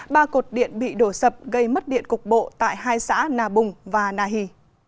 ba cột điện bị đổ sập gây mất điện cục bộ tại hai xã nà bùng và nà hì